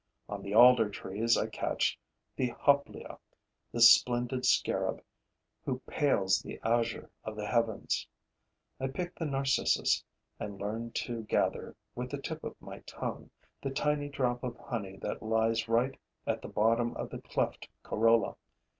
On the alder trees I catch the Hoplia, the splendid scarab who pales the azure of the heavens. I pick the narcissus and learn to gather, with the tip of my tongue, the tiny drop of honey that lies right at the bottom of the cleft corolla.